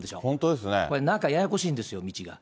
これ、中ややこしいんですよ、道が。